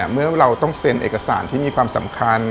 เมื่อเราต้องเซ็นเอกสารที่มีความสำคัญ